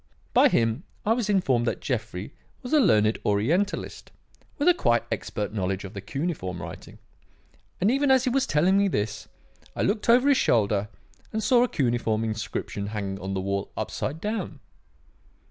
By him I was informed that Jeffrey was a learned Orientalist, with a quite expert knowledge of the cuneiform writing; and even as he was telling me this, I looked over his shoulder and saw a cuneiform inscription hanging on the wall upside down.